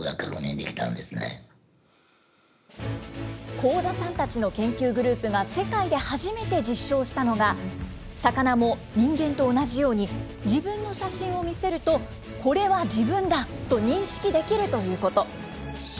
幸田さんたちの研究グループが世界で初めて実証したのが、魚も人間と同じように、自分の写真を見せると、これは自分だと認識できるということ。